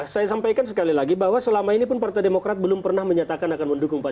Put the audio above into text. saya sampaikan sekali lagi bahwa selama ini pun partai demokrat belum pernah berbicara